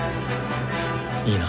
いいな。